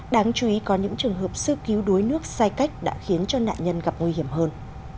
đáng chú ý có những trường hợp sư cứu đuối nước sai cách đã khiến cho nạn nhân gặp nguy hiểm hơn